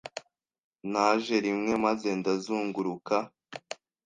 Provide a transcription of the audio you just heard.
Naje rimwe maze ndazunguruka!